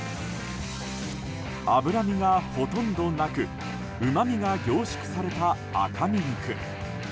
脂身がほとんどなくうまみが凝縮された赤身肉。